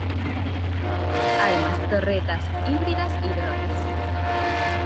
Armas: torretas híbridas y drones.